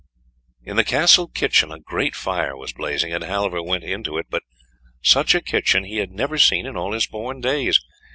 In the castle kitchen a great fire was blazing, and Halvor went into it, but such a kitchen he had never seen in all his born days.